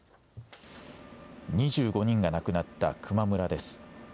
２５人が亡くなった球磨村です。